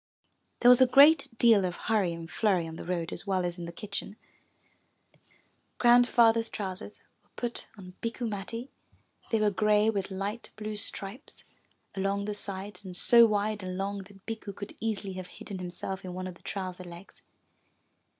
There was a great deal of hurry and flurry on the road as well as in the kitchen. 402 UP ONE PAIR OF STAIRS Grandfather's trousers were put on Bikku Matti. They were gray with light blue stripes along the sides and so wide and long that Bikku could easily have hidden himself in one of the trouser legs.